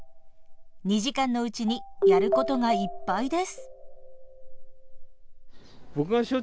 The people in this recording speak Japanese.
２時間のうちにやることがいっぱいです。